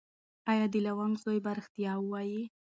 ایا د لونګ زوی به ریښتیا وایي؟